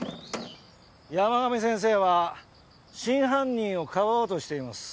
山上先生は真犯人をかばおうとしています。